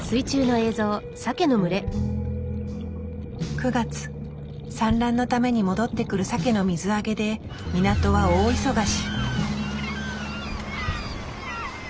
９月産卵のために戻ってくるサケの水揚げで港は大忙し。